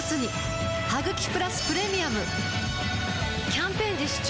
キャンペーン実施中